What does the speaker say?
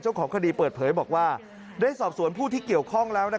เจ้าของคดีเปิดเผยบอกว่าได้สอบสวนผู้ที่เกี่ยวข้องแล้ว